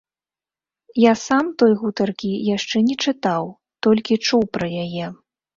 Я сам той гутаркі яшчэ не чытаў, толькі чуў пра яе.